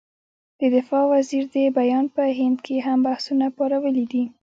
د دفاع وزیر دې بیان په هند کې هم بحثونه پارولي دي.